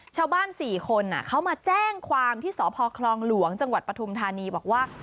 ชาวบ้าน๔คนเขามาแจ้งความที่สพคลองหลวงจังหวัดปฐุมธานีบอกว่า